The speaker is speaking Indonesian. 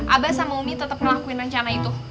abah sama umi tetap ngelakuin rencana itu